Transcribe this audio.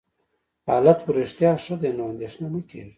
حالت په رښتیا ښه دی، نو اندېښنه نه کېږي.